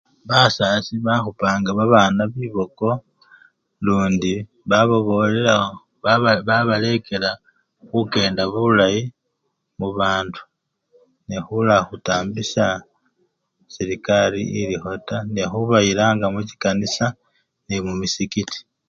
Basasi bakhupanga babana biboko lundi bababolela, babalekela khukenda bulayi mbubandu nekhula khutambisya serekari elikho taa nekhubayilanga muchikanisa nende mumisikiti.